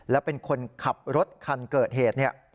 และเป็นคนขับรถคันเกิดเหตุเนี่ย